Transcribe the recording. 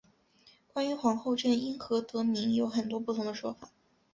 关于皇后镇因何得名有很多不同的说法。